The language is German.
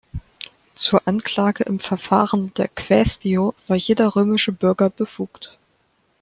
Zur Anklage im Verfahren der "quaestio" war jeder römische Bürger befugt.